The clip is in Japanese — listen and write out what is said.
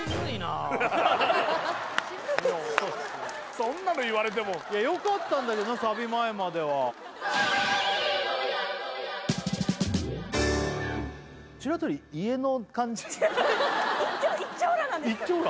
そんなの言われてもよかったんだけどなサビ前までは白鳥一張羅？